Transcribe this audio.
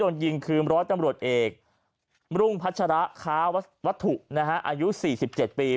โดนยิงคือร้อยตำรวจเอกรุ่งพัชระค้าวัตถุอายุ๔๗ปี